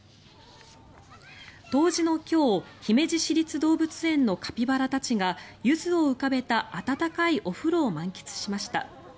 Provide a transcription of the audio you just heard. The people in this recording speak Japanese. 冬至の今日、姫路市立動物園のカピバラたちがユズを浮かべた温かいお風呂を満喫しました。